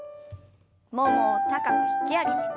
ももを高く引き上げて。